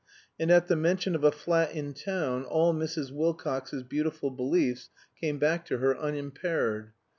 And at the mention of a flat in town all Mrs. Wilcox's beautiful beliefs came back to her unimpaired.